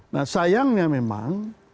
nah sayangnya memang